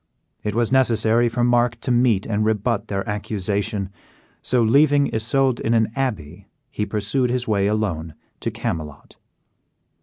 It was necessary for Mark to meet and rebut their accusation; so, leaving Isoude in an abbey, he pursued his way alone to Camelot.